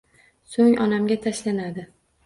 So'ng onamga tashlanadi